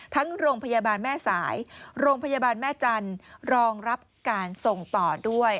ทั้งโรงพยาบาลแม่สายโรงพยาบาลแม่จันทร์รองรับการส่งต่อด้วย